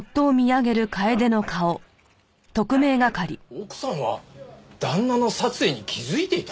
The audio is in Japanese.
奥さんは旦那の殺意に気づいていた？